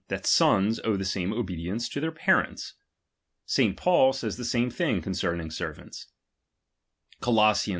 7, that sons^^ic„ owe the same obedience to their parents. Saint Paul says the same thing concerning servants (Coloss.